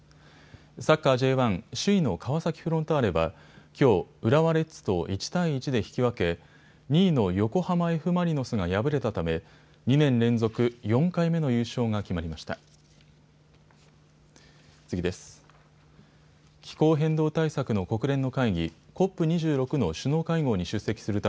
サッカーＪ１、首位の川崎フロンターレはきょう、浦和レッズと１対１で引き分け、２位の横浜Ｆ・マリノスが敗れたため２年連続４回目の優勝が決まりました。